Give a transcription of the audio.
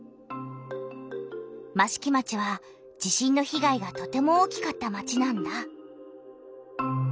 益城町は地震の被害がとても大きかった町なんだ。